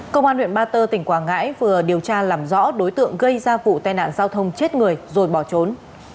công an huyện ba tơ tỉnh quảng ngãi vừa điều tra làm rõ đối tượng gây ra vụ tai nạn giao thông chết người rồi bỏ trốn